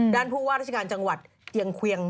ผู้ว่าราชการจังหวัดเจียงเคียง